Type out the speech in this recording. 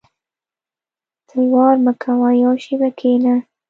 •تلوار مه کوه یو شېبه کښېنه.